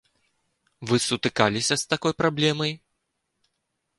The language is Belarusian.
Вы сутыкаліся з такой праблемай?